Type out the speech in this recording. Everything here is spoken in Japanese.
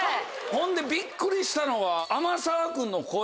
ほんでびっくりしたのは天沢君の声。